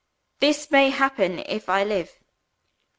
This may happen, if I live.